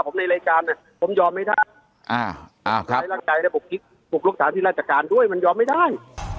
ผมในรายการผมยอมไม่ได้